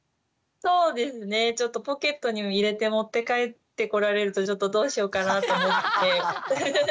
そうですねちょっとポケットに入れて持って帰ってこられるとちょっとどうしようかなと思って。